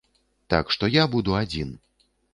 Так што я буду адзін.